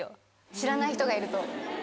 知らない人がいると。